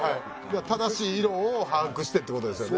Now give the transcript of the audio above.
正しい色を把握してって事ですよね。